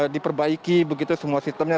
diperbaiki begitu semua sistemnya